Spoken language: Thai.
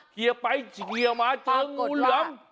เคลียร์ไปเคลียร์มาเจองุลม